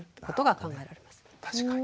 確かに。